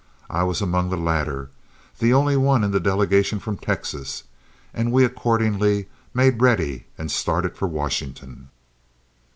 I was among the latter, the only one in the delegation from Texas, and we accordingly made ready and started for Washington.